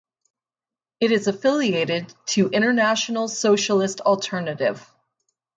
It is affiliated to International Socialist Alternative.